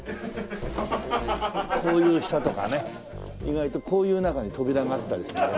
こういう下とかね意外とこういう中に扉があったりするんだ。